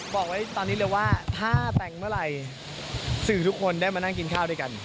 บอกไว้ตอนนี้เลยว่าถ้าแต่งเมื่อไหร่สื่อทุกคนได้มานั่งกินข้าวด้วยกัน